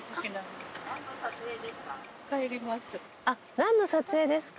「何の撮影ですか？」